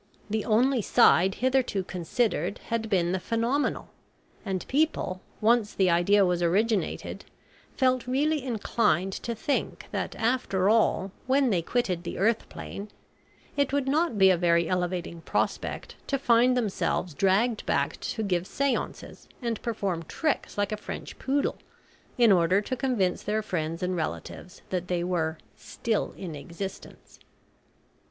The only side hitherto considered had been the `phenomenal,' and people once the idea was originated felt really inclined to think that after all, when they quitted the earth plane, it would not be a very elevating prospect to find themselves dragged back to give seances and perform tricks like a French poodle in order to convince their friends and relatives that they were still in existence!